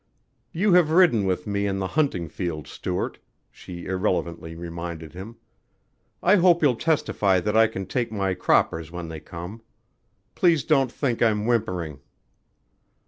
"You have ridden with me in the hunting field, Stuart," she irrelevantly reminded him. "I hope you'll testify that I can take my croppers when they come. Please don't think I'm whimpering."